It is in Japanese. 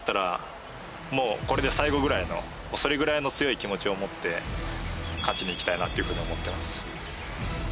ぐらいのそれぐらいの強い気持ちを持って勝ちにいきたいなっていうふうに思ってます。